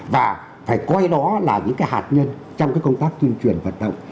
và phải coi đó là những hạt nhân trong cái công tác tuyên truyền vận động